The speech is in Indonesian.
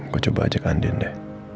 gua coba ajak andien ya